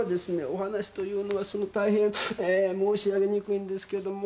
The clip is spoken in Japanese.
お話というのは大変申し上げにくいんですけども。